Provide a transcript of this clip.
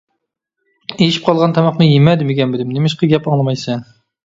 ئېشىپ قالغان تاماقنى يېمە دېمىگەنمىدىم، نېمىشقا گەپ ئاڭلىمايسەن؟ !